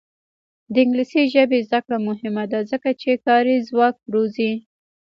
د انګلیسي ژبې زده کړه مهمه ده ځکه چې کاري ځواک روزي.